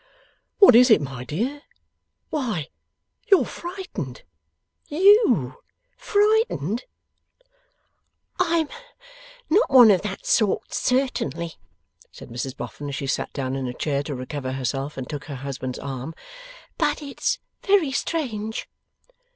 'What is it, my dear? Why, you're frightened! YOU frightened?' 'I am not one of that sort certainly,' said Mrs Boffin, as she sat down in a chair to recover herself, and took her husband's arm; 'but it's very strange!